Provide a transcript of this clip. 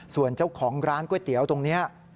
ส่วนเจ้าของร้านก๋วยเตี๋ยวตรงนี้